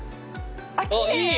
あっいい。